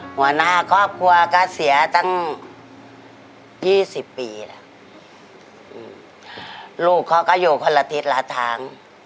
หัวหน้าครอบครัวก็เสียตั้ง๒๐ปีแล้วลูกเขาก็อยู่คนละทิศละทาง